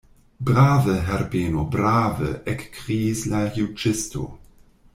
Brave, Herbeno, brave, ekkriis la juĝisto.